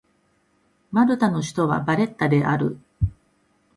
マルタの首都はバレッタである